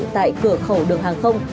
tại cửa khẩu đường hàng không